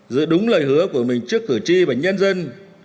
giữa đúng lời hứa của mình trước cử tri và nhân dân